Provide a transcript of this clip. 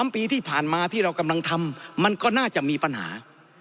๓ปีที่ผ่านมาที่เรากำลังทำมันก็น่าจะมีปัญหา